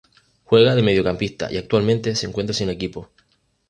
Juega de mediocampista y actualmente se encuentra sin equipo.